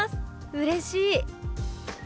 うれしい！」。